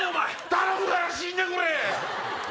⁉頼むから死んでくれ！